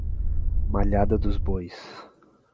Malhada dos Bois